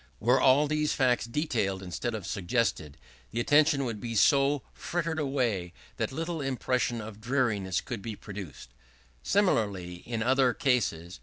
Were all these facts detailed instead of suggested, the attention would be so frittered away that little impression of dreariness would be produced. Similarly in other cases.